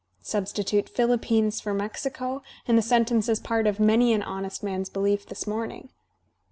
Substitute "PhiKppines" for "Mexico," and the sentence is part of many an honest man's belief this morning.